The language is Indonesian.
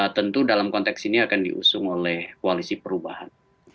tentu dalam konteks ini akan diusung oleh koalisi perubahan